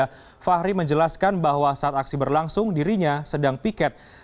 fahri menjelaskan bahwa saat aksi berlangsung dirinya sedang piket